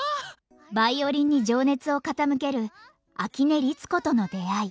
ヴァイオリンに情熱を傾ける秋音律子との出会い。